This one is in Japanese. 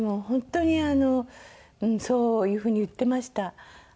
本当にそういう風に言ってました。